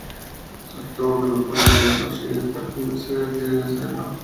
Sostuvo que no podría hacerlo sin estar convencido de que debía hacerlo.